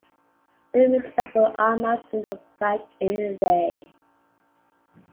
The remix sampled Ahmad's single Back in the Day.